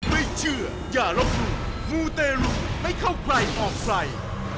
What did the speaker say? ไม่เชื่ออย่าลบลูกมูตร์เตรียมไม่เข้าใกล้ออกใกล้